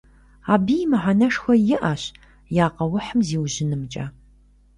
Абыи мыхьэнэшхуэ иӀэщ я къэухьым зиужьынымкӀэ.